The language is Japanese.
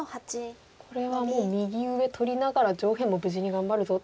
これはもう右上取りながら上辺も無事に頑張るぞっていう。